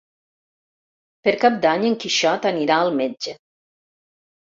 Per Cap d'Any en Quixot anirà al metge.